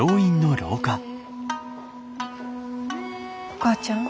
お母ちゃん。